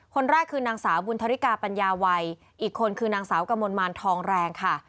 คนแรกคือนางสาวบุญธริกาปัญญาวัยอีกคนคือนางสาวกมลมารทองแรงค่ะ